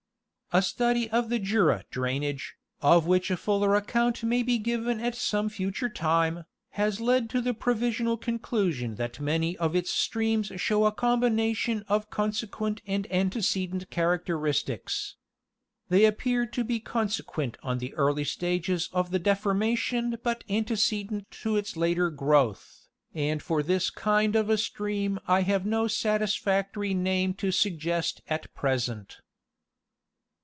A study of the Jura drainage, of which a fuller account may be given at some future time, has led to the provisional conclu sion that many of its streams show a combination of consequent and antecedent characteristics. They appear to be consequent on the early stages of the deformation but antecedent to its later growth, and for this kind of a stream I have no satisfactory name to suggest at present.